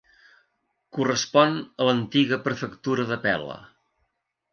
Correspon a l'antiga prefectura de Pel·la.